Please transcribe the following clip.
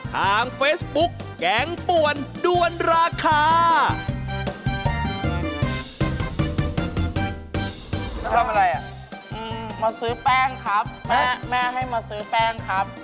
มาซื้อแฟงครับแม่ให้มาซื้อแฟงครับ